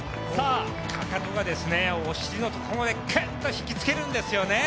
かかとがおしりのところまでクッと引きつけるんですよね。